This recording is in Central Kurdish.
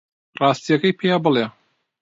ڕاستییەکەی پێ بڵێ.